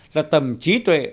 là tầm trí tuệ